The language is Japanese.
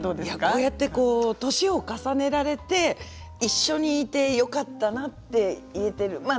これで年を重ねられて一緒にいてよかったなって言っている。